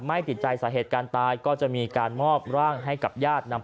ติดใจสาเหตุการณ์ตายก็จะมีการมอบร่างให้กับญาตินำ